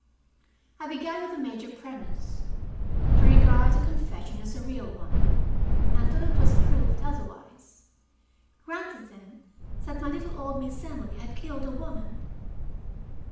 I began with a major premise to regard the confession as a real one, until it was proved otherwise. Granted, then, that my little old Miss Emily had killed a woman.